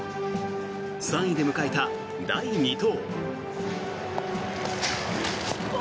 ３位で迎えた第２投。